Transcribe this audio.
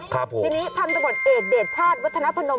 ทีนี้พันธมตะหมดเอกเดชชาติวัฒนภนม